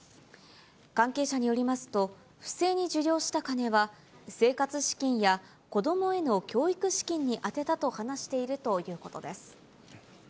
関係者によりますと、不正に受領した金は、生活資金や子どもへの教育資金に充てたと話しているということです。